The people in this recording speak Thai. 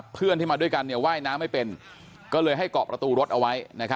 เพื่อนที่มาด้วยกันว่ายน้ำไม่เป็นก็เลยให้เกาะประตูรถเอาไว้